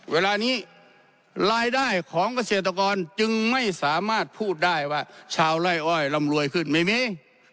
เวลานี้รายได้ของเกษตรกรจึงไม่สามารถพูดได้ว่าชาวไล่อ้อยร่ำรวยขึ้นไม่มี